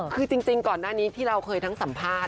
คือจริงก่อนหน้านี้ที่เราเคยทั้งสัมภาษณ